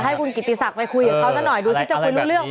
ให้คุณกิติศักดิ์ไปคุยกับเขาซะหน่อยดูคิดจะคุยรู้เรื่องไหม